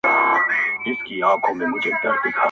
ټولو وویل چي ته الوتای نه سې؛